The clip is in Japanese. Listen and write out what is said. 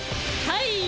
はい。